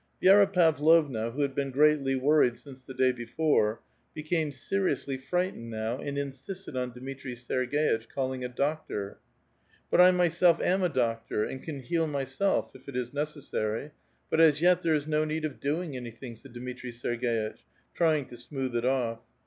Jj^ra Pavlovna, who had been greatly worried since the day ^^ore, became seriously frightened now and insisted on ^^itri Serg^itch calling a doctor. But I myself am a doctor, and can heal myself, if it is '^^pessary ; but, as yet, there is no need of doing anything," ?J*^ Dmitri Ser^^itch, trying to smooth it off.